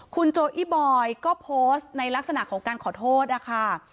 คุณโจอี้บอยก็โพสต์ในลักษณะของการขอโทษนะคะ